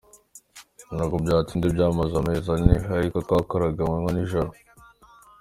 Ntabwo byatinze byamaze amezi ane ariko twakoraga amanywa n’ijoro.